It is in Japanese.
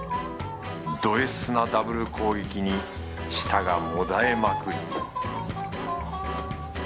ド Ｓ なダブル攻撃に舌が悶えまくり